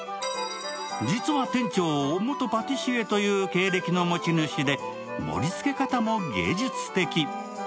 実は店長、元パティシエという経歴の持ち主で盛りつけ方も芸術的。